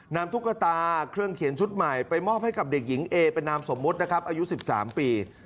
ตุ๊กตาเครื่องเขียนชุดใหม่ไปมอบให้กับเด็กหญิงเอเป็นนามสมมุตินะครับอายุ๑๓ปี